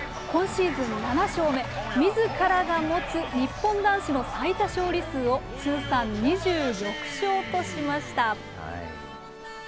今シーズン７勝目、みずからが持つ日本男子の最多勝利数を通算２６勝としました。